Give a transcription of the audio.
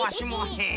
へえ！